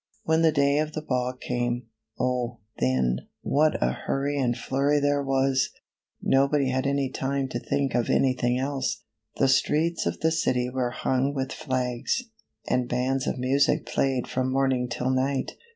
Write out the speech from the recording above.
When the day of the ball came, oh, then, what a hurry and flurry there was ! nobody had any time to think of any thing else. The streets of the city were hung with flags, and bands of music played from morning till night.